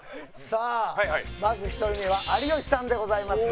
さあまず１人目は有吉さんでございます。